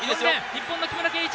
日本の木村敬一！